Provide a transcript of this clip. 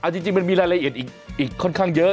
จริงมันมีรายละเอียดอีกค่อนข้างเยอะ